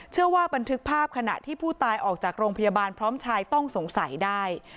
บันทึกภาพขณะที่ผู้ตายออกจากโรงพยาบาลพร้อมชายต้องสงสัยได้